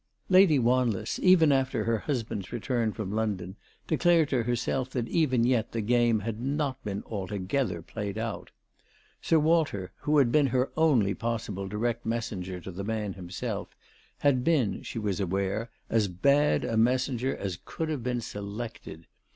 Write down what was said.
Lady Wanless, even after her husband's return from London, declared to herself that even yet the game had not been altogether played out. Sir Walter, who had been her only possible direct messenger to the man himself, had been, she was aware, as bad a mes senger as could have been selected.